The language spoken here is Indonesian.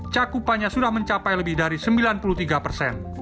cakupannya sudah mencapai lebih dari sembilan puluh tiga persen